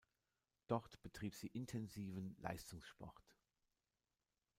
Dort betrieb sie intensiven Leistungssport.